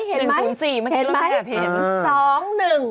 ๑๐๔เมื่อกี้เราก็แบบเห็น